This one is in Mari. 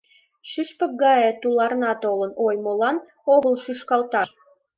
Шӱшпык гае туларна толын, ой, молан огыл шӱшкалташ?